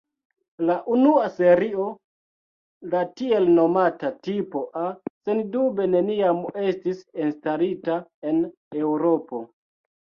La unua serio, la tiel nomata "Tipo" "A", sendube neniam estis instalita en Eŭropo.